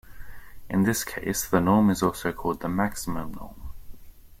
In this case, the norm is also called the maximum norm.